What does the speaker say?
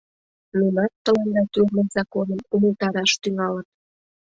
Нунат тыланда тӱрлӧ законым умылтараш тӱҥалыт...